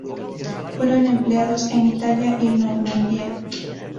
Fueron empleados en Italia y Normandía.